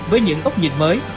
với những gốc nhìn mới